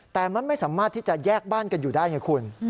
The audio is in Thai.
แต่มันไม่สามารถที่จะแยกบ้านกันอยู่ได้ไงคุณ